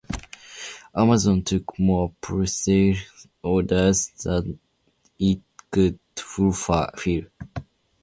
Amazon took more presale orders than it could fulfill.